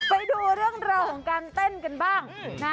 ไปดูเรื่องราวของการเต้นกันบ้างนะ